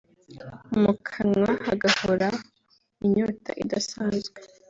mu kanwa hagahora inyota idasanzwe